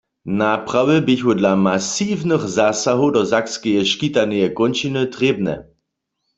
Naprawy běchu dla masiwnych zasahow do sakskeje škitaneje kónčiny trěbne.